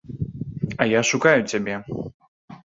А я шукаю цябе.